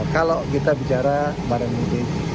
kalau kita bicara barang mudik